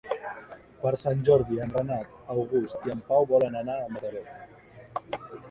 Per Sant Jordi en Renat August i en Pau volen anar a Mataró.